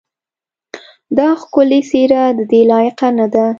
دا ښکلې څېره ددې لایقه نه ده.